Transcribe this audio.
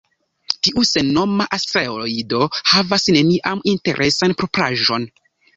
Tiu sennoma asteroido havas nenian interesan propraĵon.